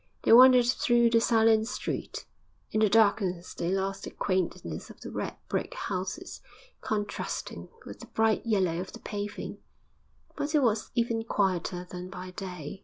They wandered through the silent street; in the darkness they lost the quaintness of the red brick houses, contrasting with the bright yellow of the paving, but it was even quieter than by day.